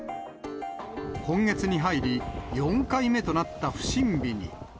今月に入り４回目となった不審火に。